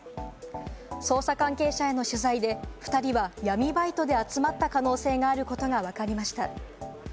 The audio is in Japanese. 捜査関係者への取材で２人は闇バイトで集まった可能性があることがわかりました。